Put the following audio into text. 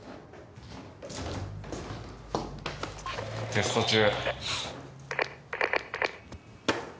テスト中。